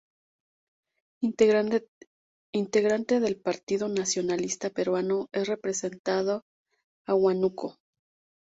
Integrante del Partido Nacionalista Peruano es representando a Huánuco.